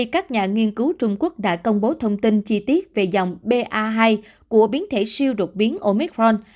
các nhà nghiên cứu trung quốc đã công bố thông tin chi tiết về dòng ba của biến thể siêu đột biến omicron